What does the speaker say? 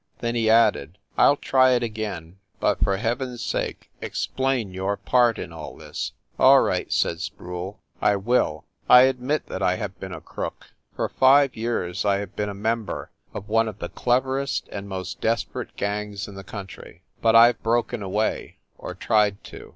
Then he added, "I ll try it again; but for heaven s sake explain your part in all this !" "All right," said Sproule. "I will. I admit that I have been a crook. For five years I have been a member of one of the cleverest and most desperate gangs in the country. But I ve broken away or tried to.